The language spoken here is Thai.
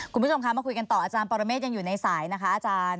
คุณผู้ชมคะมาคุยกันต่ออาจารย์ปรเมฆยังอยู่ในสายนะคะอาจารย์